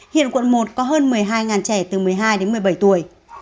hiện quận một có hơn một mươi hai trẻ từ một mươi hai đến một mươi bảy tuổi